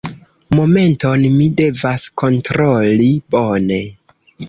Momenton, mi devas kontroli. Bone.